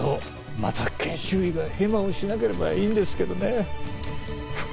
また研修医がヘマをしなければいいんですけどね